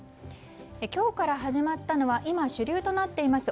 今日から始まったのは今、主流となっています